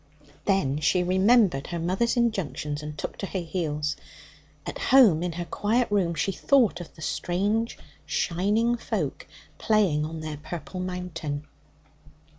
Then she remembered her mother's injunctions, and took to her heels. At home in her quiet room, she thought of the strange shining folk playing on their purple mountain.